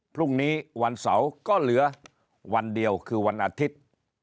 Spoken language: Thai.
พรุ่งนี้วันเสาร์ก็เหลือวันเดียวคือวันอาทิตย์